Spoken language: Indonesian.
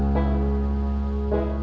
tete aku mau